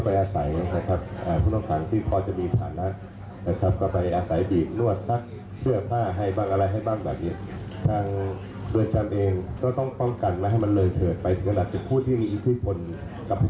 อีกที่คนกับผู้ต้องขังอื่นนะครับ